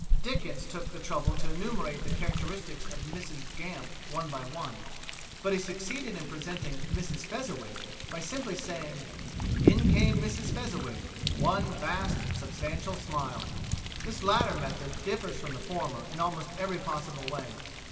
Dickens took the trouble to enumerate the characteristics of Mrs Gamp one by one; but he succeeded in presenting Mrs Fezziwig by simply saying, "In came Mrs Fezziwig, one vast substantial smile." This latter method differs from the former in almost every possible way.